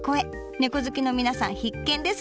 ねこ好きの皆さん必見ですにゃ。